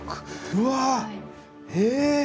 うわっえ！